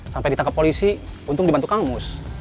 sampai ditangkap polisi untung dibantu kang mus